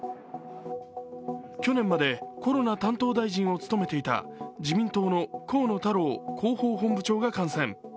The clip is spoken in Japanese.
去年までコロナ担当大臣を務めていた自民党の河野太郎広報本部長が感染。